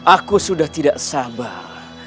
aku sudah tidak sabar